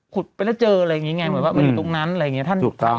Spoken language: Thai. ขุดเพื่อนเจออะไรเงินไงเหมือนว่าโอโห